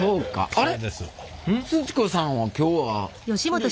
あれ？